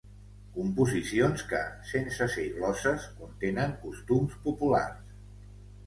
Composicions que, sense ser glosses, contenen costums populars.